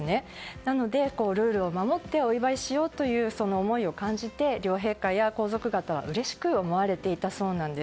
なので、ルールを守ってお祝いしようという思いを感じて両陛下や皇族方は、うれしく思われていたそうなんです。